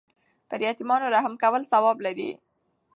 پر یتیمانو رحم کول ثواب لري.